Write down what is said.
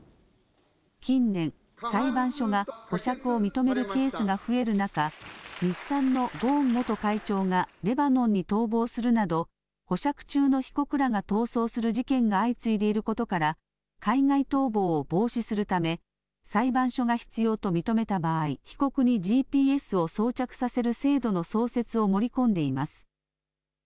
近年、裁判所が保釈を認めるケースが増える中、日産のゴーン元会長がレバノンに逃亡するなど保釈中の被告らが逃走する事件が相次いでいることから海外逃亡を防止するため裁判所が必要と認めた場合、被告にＧＰＳを装着させる制度の創設を盛り込んでいます。